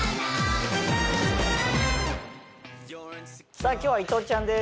さぁ今日は伊藤ちゃんです